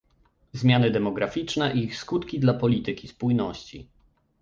Zmiany demograficzne i ich skutki dla polityki spójności